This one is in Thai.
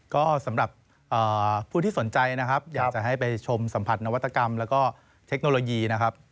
ก็สำหรับผู้ที่สนใจนะครับอยากจะให้ไปชมสัมผัสนวัตกรรมแล้วก็เทคโนโลยีนะครับ